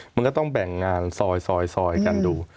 มันก็ต้องแบ่งงานซอยกันดู